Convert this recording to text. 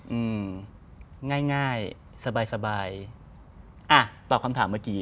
อืมง่ายสบายอ่ะตอบความถามเมื่อกี้